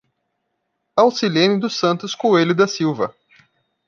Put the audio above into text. Aucilene dos Santos Coelho da Silva